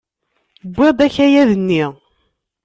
Wwiɣ-d akayad-nni!